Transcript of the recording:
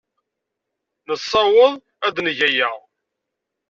Nessaweḍ ad neg aya.